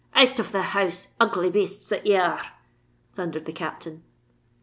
"Out of the house, ugly bastes that ye are!" thundered the Captain.